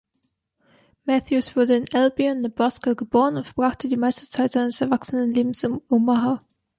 Matthews wurde in Albion, Nebraska, geboren und verbrachte die meiste Zeit seines Erwachsenenlebens in Omaha.